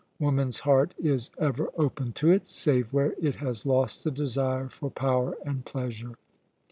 Woman's heart is ever open to it, save where it has lost the desire for power and pleasure.